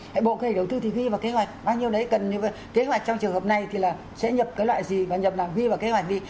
cái bộ kế hoạch đầu tư thì ghi vào kế hoạch bao nhiêu đấy cần kế hoạch trong trường hợp này thì là sẽ nhập cái loại gì và nhập làm vi và kế hoạch đi